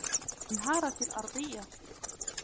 انهارت الأرضية.